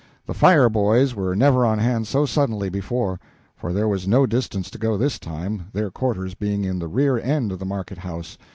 The fire boys were never on hand so suddenly before; for there was no distance to go, this time, their quarters being in the rear end of the market house.